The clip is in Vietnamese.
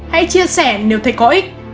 hãy chia sẻ nếu thấy có ích